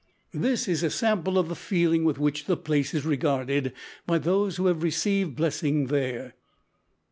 This is a sample of the feeling with which the place is regarded by those who have received blessing there.